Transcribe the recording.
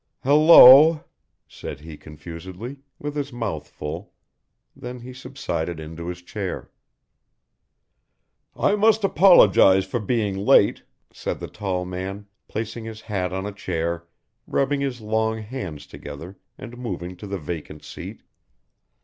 "Hello," said he confusedly, with his mouth full then he subsided into his chair. "I must apologise for being late," said the tall man, placing his hat on a chair, rubbing his long hands together and moving to the vacant seat.